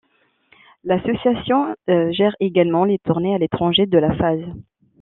L'association gère également les tournées à l'étranger de La Phaze.